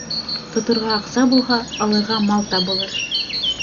Тоторға аҡса булһа, алырға мал табылыр.